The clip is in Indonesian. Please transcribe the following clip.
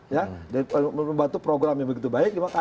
ya dan membantu program yang begitu baik